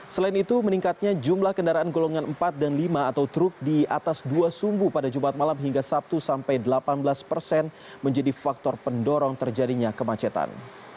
selain itu meningkatnya jumlah kendaraan golongan empat dan lima atau truk di atas dua sumbu pada jumat malam hingga sabtu sampai delapan belas persen menjadi faktor pendorong terjadinya kemacetan